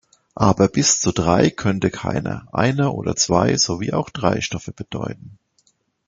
Aber "bis zu drei" könnte keiner, einer oder zwei sowie auch drei Stoffe bedeuten.